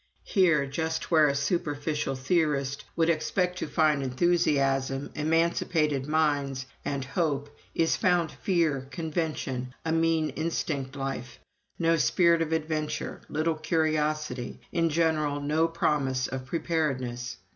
Here, just where a superficial theorist would expect to find enthusiasm, emancipated minds, and hope, is found fear, convention, a mean instinct life, no spirit of adventure, little curiosity, in general no promise of preparedness.